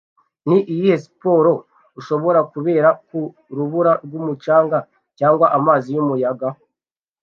Ni iyihe siporo ushobora kubera ku rubura rwumucanga cyangwa amazi Yumuyaga